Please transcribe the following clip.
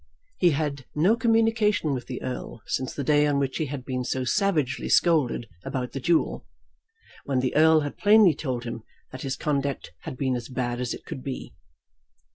He had had no communication with the Earl since the day on which he had been so savagely scolded about the duel, when the Earl had plainly told him that his conduct had been as bad as it could be.